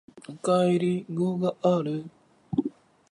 赤いりんごがある